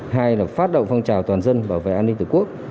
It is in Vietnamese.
hai là phát động phong trào toàn dân bảo vệ an ninh tổ quốc